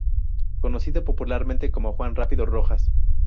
Conocido popularmente como Juan "Rápido" Rojas.